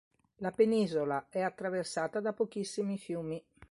La penisola è attraversata da pochissimi fiumi.